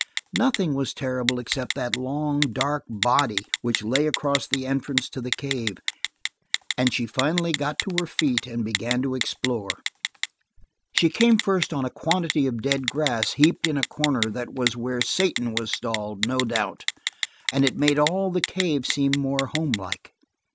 Nothing was terrible except that long, dark body which lay across the entrance to the cave, and she finally got to her feet and began to explore. She came first on a quantity of dead grass heaped in a corner that was where Satan was stalled, no doubt, and it made all the cave seem almost homelike.